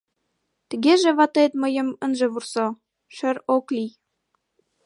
Тыгеже ватет мыйым ынже вурсо, шӧр ок лий...